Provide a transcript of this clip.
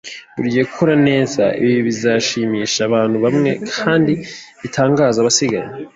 Buri gihe kora neza. Ibi bizashimisha abantu bamwe kandi bitangaze abasigaye.